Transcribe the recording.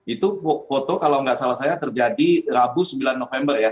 itu foto kalau nggak salah saya terjadi rabu sembilan november ya